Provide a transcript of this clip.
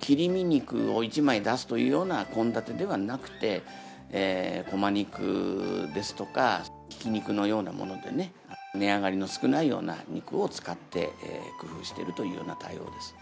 切り身肉を１枚出すというような献立ではなくて、こま肉ですとか、ひき肉のようなものでね、値上がりの少ないような肉を使って、工夫しているというような対応です。